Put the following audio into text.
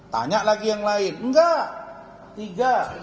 tanya lagi yang lain enggak tiga